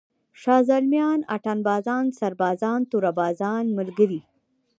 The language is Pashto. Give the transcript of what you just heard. شازِلْمیان، اتڼ باز، سربازان، توره بازان ملګري!